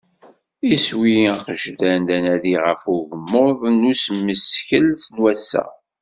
Iswi agejdan d anadi ɣef ugmmuḍ n usmeskel n wass-a.